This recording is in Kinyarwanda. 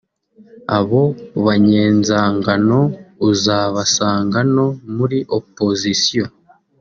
Abo banyenzangano uzabasanga no muri opposition